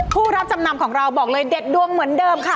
ผู้รับจำนำของเราบอกเลยเด็ดดวงเหมือนเดิมค่ะ